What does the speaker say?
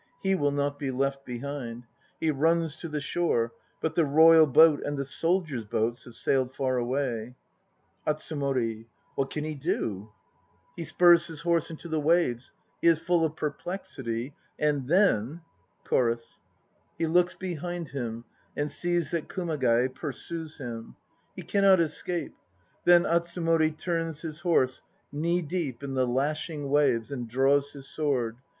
He 1 will not be left behind; He runs to the shore. But the Royal Boat and the soldiers' boats Have sailed far away. ATSUMORI. What can he do? 1 Atsumori. This passage is mimerf throughout. 44 THE NO PLAYS OF JAPAN He spurs his horse into the waves. He is full of perplexity. And then CHORUS. He looks behind him and sees That Kumagai pursues him; He cannot escape. Then Atsumori turns his horse Knee deep in the lashing waves, And draws his sword.